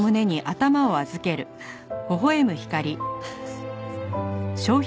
すいません。